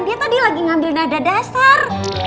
dia tadi lagi ngambil nada dasar